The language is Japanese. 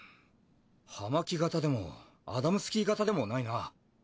葉巻型でもアダムスキー型でもないな。